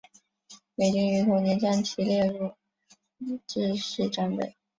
美军于同年将其列入制式装备。